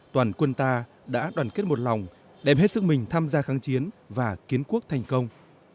toàn quân ta đã đoàn kết một lòng đem hết sức mình tham gia kháng chiến và kiến quốc thành công